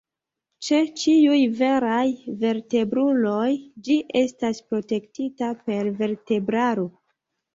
Ĉe ĉiuj veraj vertebruloj ĝi estas protektita per vertebraro.